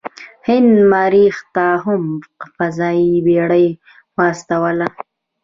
هند مریخ ته هم فضايي بیړۍ واستوله.